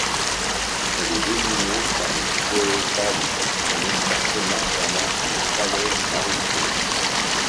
Elle est dominée par le Puueo Pali, un escarpement formant une falaise maritime.